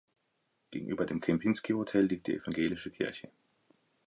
Gegenüber dem Kempinski-Hotel liegt die evangelische Kirche.